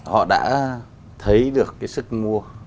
họ đã thấy được cái sức mua